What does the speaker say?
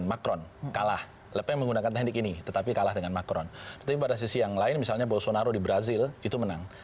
itu menang tapi kalah dengan macron tapi pada sisi yang lain misalnya bolsonaro di brazil itu menang